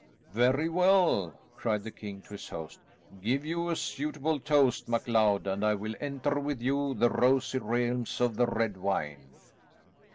"Very well," cried the king to his host; "give you a suitable toast, MacLeod, and I will enter with you the rosy realms of the red wine."